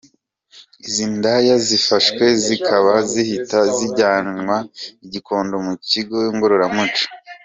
Izi ndaya zifashwe zikaba zihita zijyanwa i Gikondo mu kigo ngororamuco.